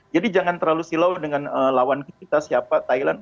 jadi jangan terlalu silau dengan lawan kita siapa thailand